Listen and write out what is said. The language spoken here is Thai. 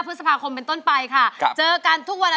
พฤษภาคมเป็นต้นไปค่ะครับเจอกันทุกวันอาท